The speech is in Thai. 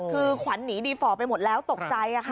คือขวัญหนีดีฝ่อไปหมดแล้วตกใจค่ะ